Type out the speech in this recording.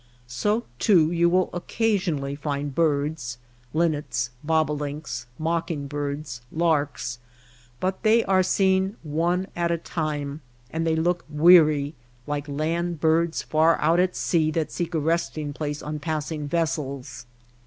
So, too, you will occasionally find birds — linnets, bobo links, mocking birds, larks — but they are seen one at a time, and they look weary/^ike land birds far out at sea that seek a resting place on passing vessels.